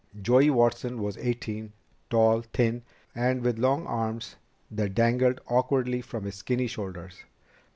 Joey Watson was eighteen, tall, thin, and with long arms that dangled awkwardly from his skinny shoulders.